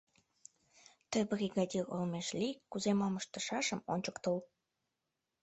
Тый бригадир олмеш лий, кузе-мом ыштышашым ончыктыл.